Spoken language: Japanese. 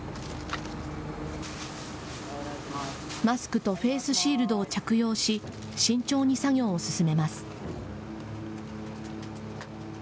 マスクとフェースシールドを着用し、慎重に作業を進めます。